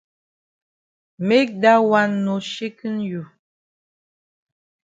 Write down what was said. Make dat wan no shaken you.